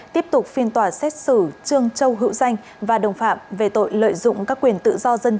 tiếp tục phiên tòa xét xử trương châu hữu danh và đồng phạm về tội lợi dụng các quyền tự do dân chủ